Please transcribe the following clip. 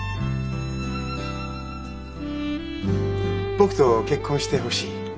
僕と結婚してほしい。